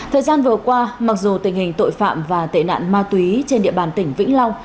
thời gian vừa qua mặc dù tình hình tội phạm và tệ nạn ma túy trên địa bàn tỉnh vĩnh long